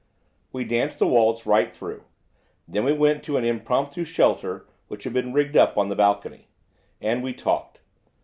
We danced the waltz right through, then we went to an impromptu shelter which had been rigged up on a balcony. And we talked.